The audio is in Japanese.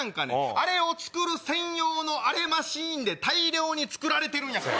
あれを作る専用のあれマシンで大量に作られてるんやから。